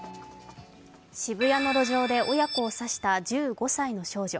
渋谷の路上で親子を刺した１５歳の少女。